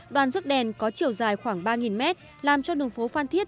đoàn rước đèn có chiều dài khoảng ba mét làm cho đường phố phan thiết